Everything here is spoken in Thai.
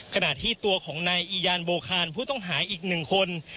ขณะที่ตัวของนายอียานโบคารผู้ต้องหาอีกหนึ่งคน